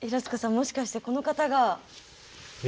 もしかしてこの方が？